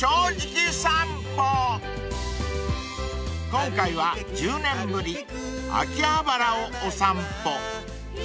［今回は１０年ぶり秋葉原をお散歩］